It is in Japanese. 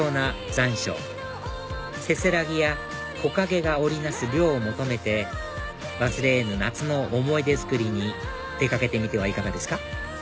残暑せせらぎや木陰が織り成す涼を求めて忘れ得ぬ夏の思い出作りに出かけてみてはいかがですか？